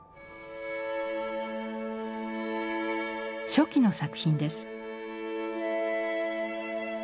初期の作品です。